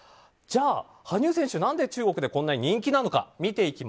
じゃあ、羽生選手なんで中国でこんなに人気なのか。